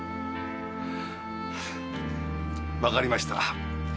わかりました。